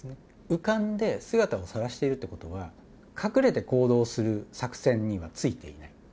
浮かんで、姿をさらしているということは、隠れて行動する作戦にはついていない。